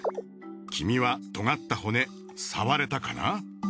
君はとがった骨触れたかな？